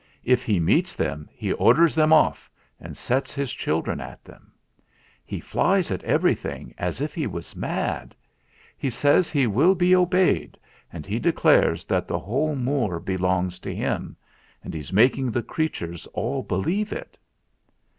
If he meets them, he orders them off and sets his children at them. He flies at everything as if he was mad. He says he will be obeyed, and he declares that the whole Moor belongs to him; and he's making the creatures all be lieve it."